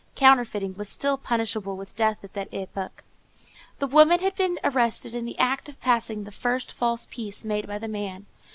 Counterfeiting was still punishable with death at that epoch. The woman had been arrested in the act of passing the first false piece made by the man.